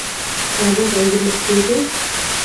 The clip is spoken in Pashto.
قره باغ انګور مشهور دي؟